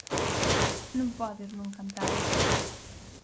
Non podes non cantalas.